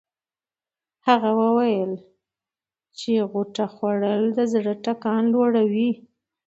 هغه وویل چې غوطه خوړل د زړه ټکان لوړوي.